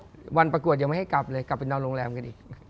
วันประกวดยังไม่ให้กลับเลยกลับไปนอนโรงแรมกันอีก